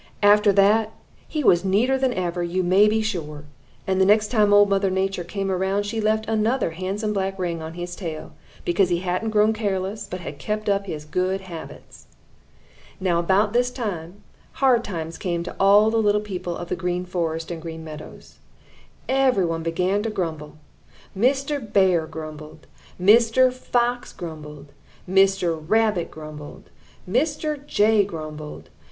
"After that he was neater than ever, you may be sure, and the next time Old Mother Nature came around, she left another handsome black ring on his tail, because he hadn't grown careless, but had kept up his good habits. "Now about this time, hard times came to all the little people of the Green Forest and the Green Meadows. Every one began to grumble. Mr. Bear grumbled. Mr. Fox grumbled. Mr. Rabbit grumbled. Mr. Jay grumbled.